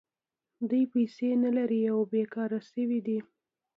دوی پیسې نلري او بېکاره شوي دي